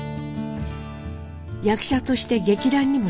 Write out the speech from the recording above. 役者として劇団にも所属。